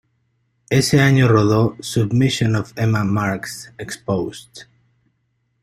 Ese año rodó "Submission Of Emma Marx: Exposed".